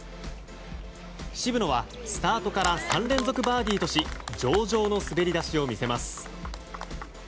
渋野はスタートから３連続バーディーとし上々の滑り出しを見せます。